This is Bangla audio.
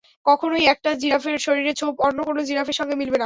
কখনোই একটা জিরাফের শরীরের ছোপ অন্য কোনো জিরাফের সঙ্গে মিলবে না।